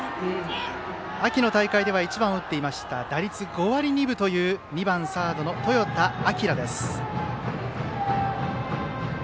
秋の大会では１番を打っていました打率５割２分という２番サード豊田顕が打席です。